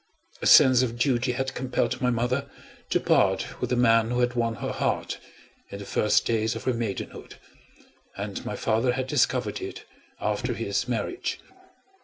A sense of duty had compelled my mother to part with the man who had won her heart, in the first days of her maidenhood; and my father had discovered it, after his marriage.